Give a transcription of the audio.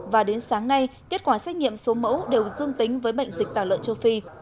và đến sáng nay kết quả xét nghiệm số mẫu đều dương tính với bệnh dịch tả lợn châu phi